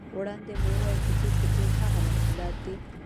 وړاندې مو وویل چې توکي ټول هغه محصولات دي